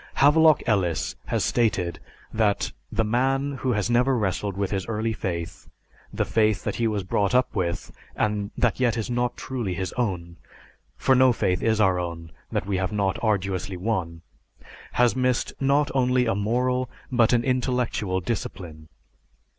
Havelock Ellis has stated that, "The man who has never wrestled with his early faith, the faith that he was brought up with and that yet is not truly his own for no faith is our own that we have not arduously won has missed not only a moral but an intellectual discipline.